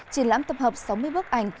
triển lãm tập hợp sáu mươi bước ảnh